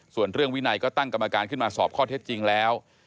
ส่วนเรื่องวินัยก็ตั้งกรรมการขึ้นมาสอบข้อเท็จจริงแล้ว